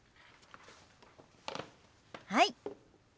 はい。